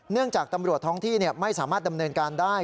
จากตำรวจท้องที่ไม่สามารถดำเนินการได้